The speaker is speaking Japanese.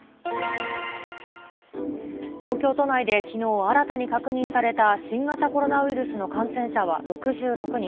東京都内できのう新たに確認された新型コロナウイルスの感染者は６６人。